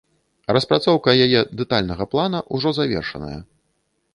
Распрацоўка яе дэтальнага плана ўжо завершаная.